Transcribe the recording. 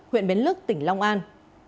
huyện bến lức tỉnh long an